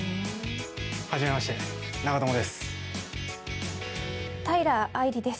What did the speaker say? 初めまして長友です。